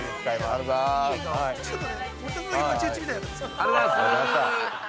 ありがとうございますー。